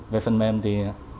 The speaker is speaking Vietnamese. về phần mềm thì